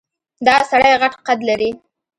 دا سړی غټ قد لري.